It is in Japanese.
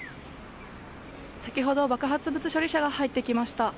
先ほど爆発物処理車が入ってきました。